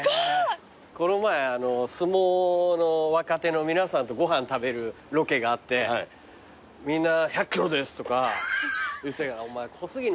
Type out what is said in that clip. この前相撲の若手の皆さんとご飯食べるロケがあってみんな「１００ｋｇです」とか言ってたけどお前小杉に負けてるぞっつって。